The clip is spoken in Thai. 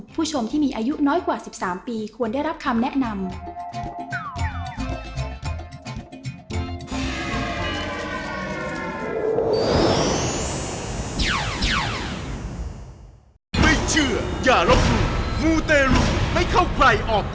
ผู้ชมที่มีอายุน้อยกว่า๑๓ปีควรได้รับคำแนะนำ